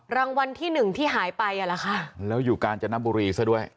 รางวัลที่หนึ่งที่หายไปอ่ะเหรอคะแล้วอยู่กาญจนบุรีซะด้วย